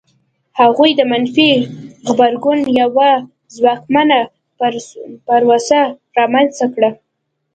هغوی د منفي غبرګون یوه ځواکمنه پروسه رامنځته کړه.